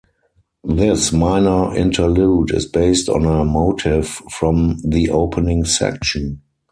This minor interlude is based on a motive from the opening section.